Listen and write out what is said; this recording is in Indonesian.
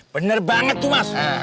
bener banget tuh mas